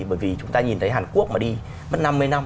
bởi vì chúng ta nhìn thấy hàn quốc mà đi mất năm mươi năm